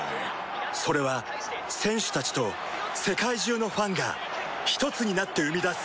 それは選手たちと世界中のファンがひとつになって生み出す